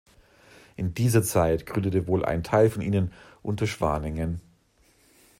In dieser Zeit gründete wohl ein Teil von ihnen Unterschwaningen.